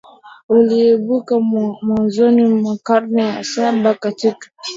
uliibuka mwanzoni mwa karne ya saba katika